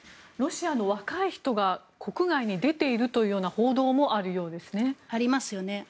ロシアの若い人が国外に出ているというような報道もあるようですね。